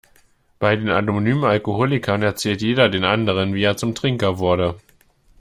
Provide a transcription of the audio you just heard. Bei den Anonymen Alkoholikern erzählt jeder den anderen, wie er zum Trinker wurde.